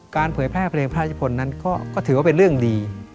เผยแพร่เพลงพระราชพลนั้นก็ถือว่าเป็นเรื่องดี